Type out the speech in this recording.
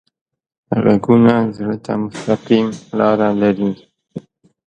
غږونه زړه ته مستقیم لاره لري